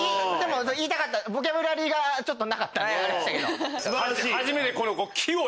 言いたかったボキャブラリーがなかったんであれでしたけど。